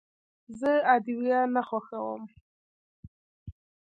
زه ادویه نه خوښوم.